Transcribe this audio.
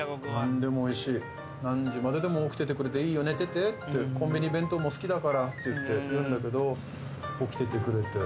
何時まででも起きててくれていいよ寝ててってコンビニ弁当も好きだからって言うんだけど起きててくれて。